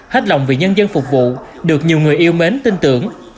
hết lòng vì nhân dân phục vụ được nhiều người yêu mến tin tưởng